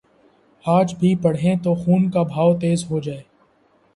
آج بھی پڑھیں تو خون کا بہاؤ تیز ہو جائے۔